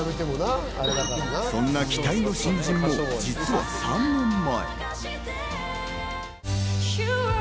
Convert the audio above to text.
そんな期待の新人も実は３年前。